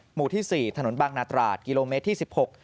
หมู่ที่สี่ถนนบางนาตราดกิโลเมตรที่สิบหก